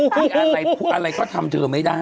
พี่อ่าร์ใส่อะไรก็ทำเธอไม่ได้